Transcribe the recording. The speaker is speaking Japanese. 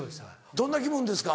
どんな気分ですか？